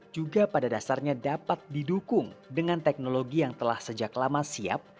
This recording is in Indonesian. juga pada dasarnya dapat didukung dengan teknologi yang telah sejak lama siap